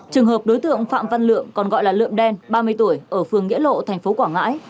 trường hợp đối tượng phạm văn lượng còn gọi là lượm đen ba mươi tuổi ở phường nghĩa lộ thành phố quảng ngãi